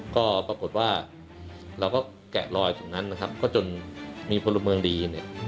ก็ปรากฏว่าเราก็แกะรอยตรงนั้นนะครับก็จนมีพลเมืองดีเนี่ย